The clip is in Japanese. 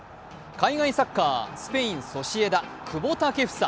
海外サッカー、スペインソシエダ・久保建英。